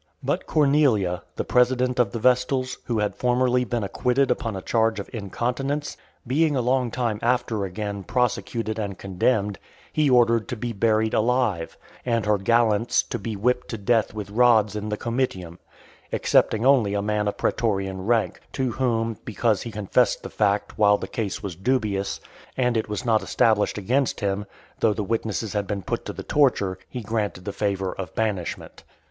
But Cornelia, the president of the Vestals, who had formerly been acquitted upon a charge of incontinence, being a long time after again prosecuted and condemned, he ordered to be buried alive; and her gallants to be whipped to death with rods in the Comitium; excepting only a man of praetorian rank, to whom, because he confessed the fact, while the case was dubious, and it was not established against him, though the witnesses had been put to the torture, he granted the favour of banishment.